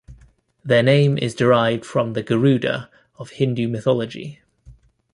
Their name is derived from the Garuda of Hindu mythology.